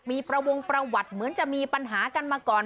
มีประวงประวัติเหมือนจะมีปัญหากันมาก่อน